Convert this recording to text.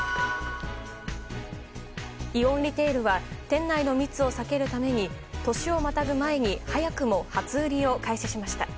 イオンリテールは店内の密を避けるために年をまたぐ前に早くも初売りを開始しました。